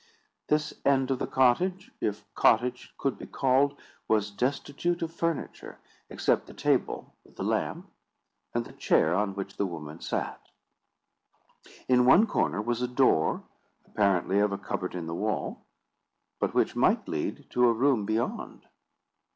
This end of the cottage, if cottage it could be called, was destitute of furniture, except the table with the lamp, and the chair on which the woman sat. In one corner was a door, apparently of a cupboard in the wall, but which might lead to a room beyond.